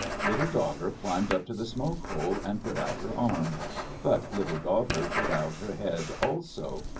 Little Daughter climbed up to the smoke hole and put out her arm. But Little Daughter put out her head also.